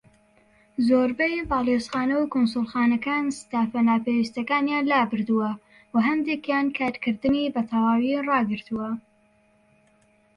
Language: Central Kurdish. زۆربەی باڵوێزخانە و کونسوڵخانەکان ستافە ناپێوستیەکانی لابردووە، وە هەندێکیان کارکردنی بە تەواوی ڕاگرتووە.